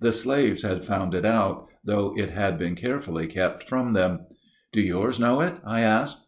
The slaves have found it out, though it had been carefully kept from them. "Do yours know it?" I asked.